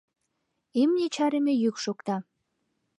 Имне чарыме йӱк шокта.